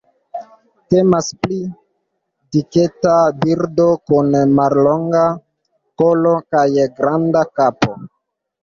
Temas pri diketa birdo, kun mallonga kolo kaj granda kapo.